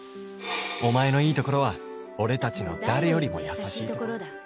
「お前のいい所は俺達の誰よりも優しいところだ」